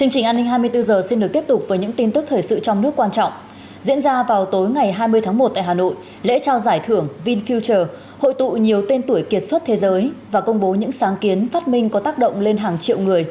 hãy đăng ký kênh để ủng hộ kênh của chúng mình nhé